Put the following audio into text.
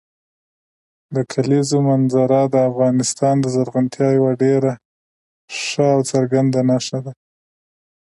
د کلیزو منظره د افغانستان د زرغونتیا یوه ډېره ښه او څرګنده نښه ده.